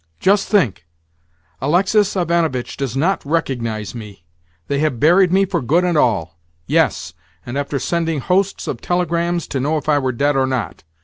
"Just think! Alexis Ivanovitch does not recognise me! They have buried me for good and all! Yes, and after sending hosts of telegrams to know if I were dead or not!